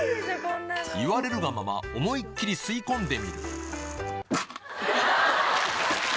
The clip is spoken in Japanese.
言われるがまま思いっ切り吸い込んでみる